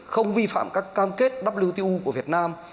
không vi phạm các cam kết wtu của việt nam